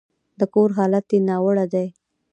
د کور حالت يې ناوړه دی.